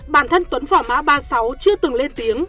bản thân tuấn phỏ má ba mươi sáu chưa từng lên tiếng